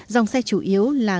dòng xe chủ yếu là